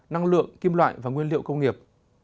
năng lượng kim loại và nguyên liệu công nghiệp